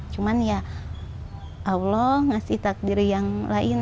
cuman ya allah ngasih takdir yang lain